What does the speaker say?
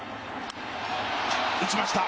打ちました。